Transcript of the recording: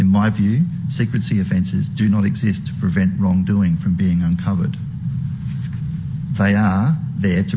menurut saya penyelamat keamanan tidak wujud untuk mengelakkan kegagalan dari dikeluarkan